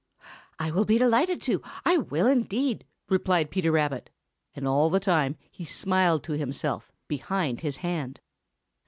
"I will be delighted to, I will indeed!" replied Peter Rabbit, and all the time he smiled to himself behind his hand.